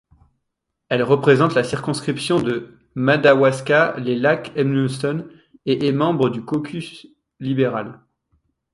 Elle représente la circonscription de Madawaska-les-Lacs-Edmundston et est membre du caucus libéral.